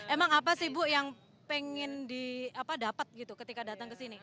emang apa sih bu yang pengen didapat gitu ketika datang ke sini